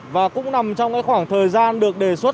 và cũng nằm trong cái khoảng thời gian được đề xuất